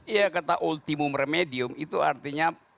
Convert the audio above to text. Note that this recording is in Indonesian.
iya kata ultimum remedium itu artinya